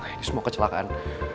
ini semua kecelakaan